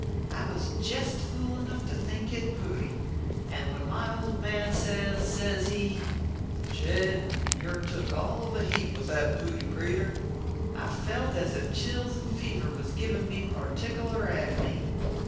I was jest fool enough to think it pooty ; and when my old man says, says he, i Jed, you re took all of a heap with that pooty creeter, I felt as ef chills an fever was givin me partikiler agony.